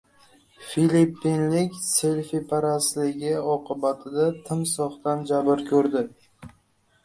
Filippinlik selfiparastligi oqibatida timsohdan jabr ko‘rdi